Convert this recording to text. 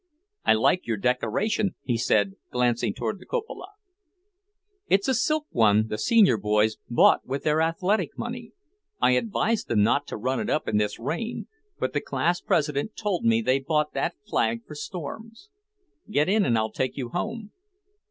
"I like your decoration," he said, glancing toward the cupola. "It's a silk one the Senior boys bought with their athletic money. I advised them not to run it up in this rain, but the class president told me they bought that flag for storms." "Get in, and I'll take you home."